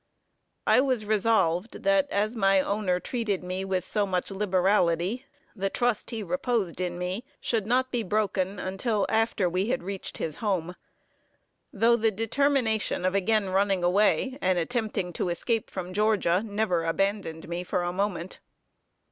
I was resolved, that as my owner treated me with so much liberality, the trust he reposed in me should not be broken until after we had reached his home; though the determination of again running away, and attempting to escape from Georgia, never abandoned me for a moment.